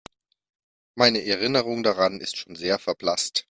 Meine Erinnerung daran ist schon sehr verblasst.